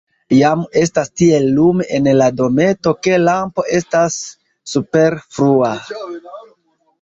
Jam estas tiel lume en la dometo, ke lampo estas superflua.